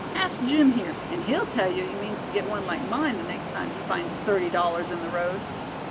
Ask Jim here, and he'll tell you he means to get one like mine the next time he finds thirty dollars in the road."